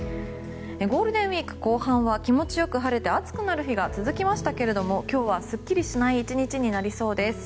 ゴールデンウィーク後半は気持ちよく晴れて暑くなる日が続きましたけど今日はすっきりしない１日になりそうです。